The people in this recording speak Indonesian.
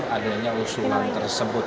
adanya usulan tersebut